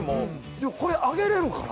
これは上げれるから。